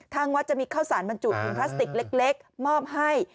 ทางวัดจะมีข้าวสารบรรจุถุงพลาสติกเล็กมอบให้